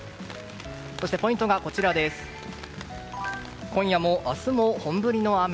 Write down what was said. ポイントが今夜も明日も本降りの雨。